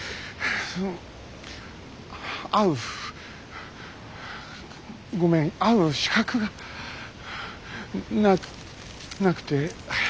会うごめん会う資格がななくて。